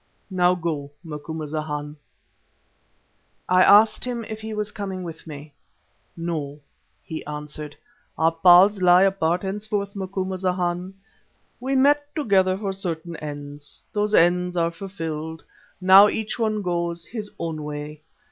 Now go, Macumazahn." I asked him if he was coming with me. "No," he answered, "our paths lie apart henceforth, Macumazahn. We met together for certain ends. Those ends are fulfilled. Now each one goes his own way.